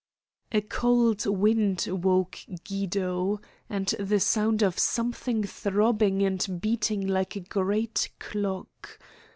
A cold wind woke Guido, and the sound of something throbbing and beating like a great clock.